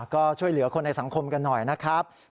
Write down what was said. ก็ช่วยเหลือคนในสังคมกันหน่อยนะครับ